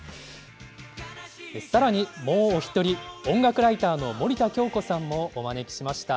さらに、もうお一人音楽ライターの森田恭子さんもお招きしました。